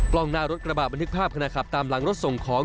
กล้องหน้ารถกระบะบันทึกภาพขณะขับตามหลังรถส่งของ